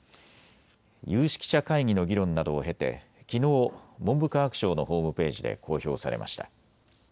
有識者会議の議論などを経てきのう、文部科学省のホームページで公表されました。